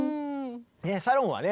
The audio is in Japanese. サロンはね